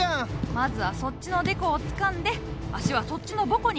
まずはそっちのデコをつかんで足はそっちのボコに。